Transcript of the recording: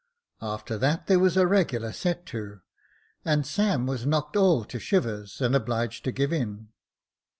After that there was a regular set to, and Sam was knocked all to shivers, and obliged to give in.